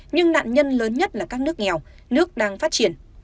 nhưng nạn nhân lớn nhất là các nước nghèo nước đang phát triển